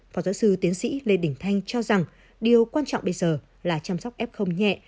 phó giáo sư tiến sĩ lê đình thanh cho rằng điều quan trọng bây giờ là chăm sóc f nhẹ